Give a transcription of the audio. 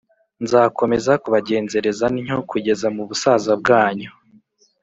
nzakomeza kubagenzereza ntyo kugeza mu busaza bwanyu,